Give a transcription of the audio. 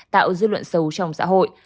tạo dư luận xấu trong xã hội